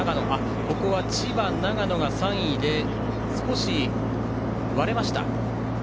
ここは千葉と長野が３位で少し割れました。